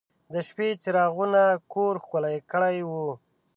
د شپې څراغونو کور ښکلی کړی و.